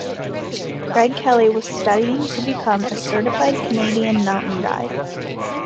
Craig Kelly was studying to become a Certified Canadian Mountain Guide.